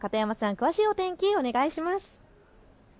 詳しい天気をお願いします。